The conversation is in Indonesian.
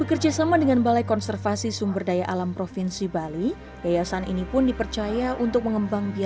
bekerja sama dengan balai konservasi sumber daya alam provinsi bali yayasan ini pun dipercaya untuk mengembang biaya